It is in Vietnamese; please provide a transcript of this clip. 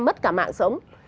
mất cả mạng sống